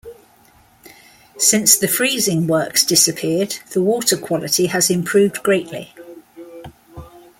Since the freezing works disappeared the water quality has improved greatly.